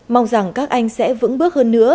mong rằng các anh sẽ vững bước hơn nữa